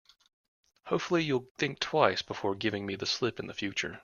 Hopefully, you'll think twice before giving me the slip in future.